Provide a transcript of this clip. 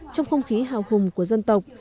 trong không khí hào hùng của dân tộc